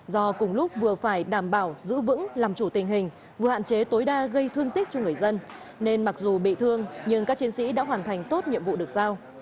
do cùng lúc vừa phải đảm bảo giữ vững làm chủ tình hình vừa hạn chế tối đa gây thương tích cho người dân nên mặc dù bị thương nhưng các chiến sĩ đã hoàn thành tốt nhiệm vụ được giao